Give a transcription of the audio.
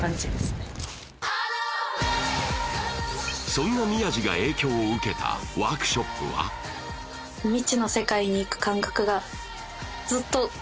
そんな宮治が影響を受けたワークショップはずっとヘイ！